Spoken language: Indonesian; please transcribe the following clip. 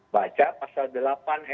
baca pasal delapan r satu